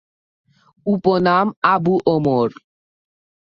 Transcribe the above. উপনাম: আবু ওমর।